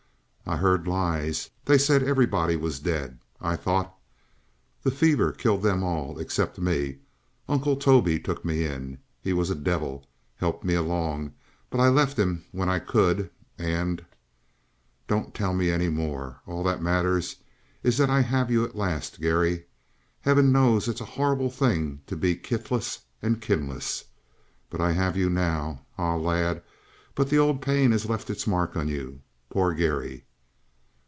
"I heard lies. They said everybody was dead. I thought " "The fever killed them all, except me. Uncle Toby took me in. He was a devil. Helped me along, but I left him when I could. And " "Don't tell me any more. All that matters is that I have you at last, Garry. Heaven knows it's a horrible thing to be kithless and kinless, but I have you now! Ah, lad, but the old pain has left its mark on you. Poor Garry!"